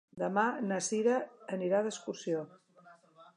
Demà na Sira anirà d'excursió.